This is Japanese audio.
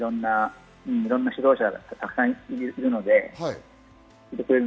いろんな指導者がたくさんいるので。